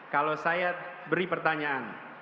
kalau saya beri pertanyaan